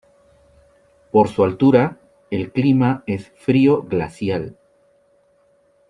Por su altura, el clima es frío-glacial.